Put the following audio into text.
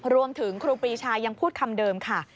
ครูปีชายังพูดคำเดิมค่ะ